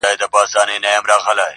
د عِلم تخم ته هواري کړی د زړو کروندې,